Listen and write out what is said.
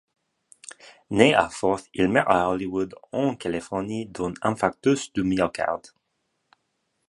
Né à Forth, il meurt à Hollywood en Californie d'un infarctus du myocarde.